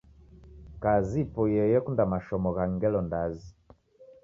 Kazi ipoiye yekunda mashomo gha ngelo ndazi